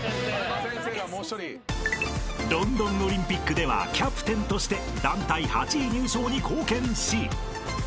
［ロンドンオリンピックではキャプテンとして団体８位入賞に貢献し